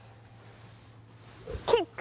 キック！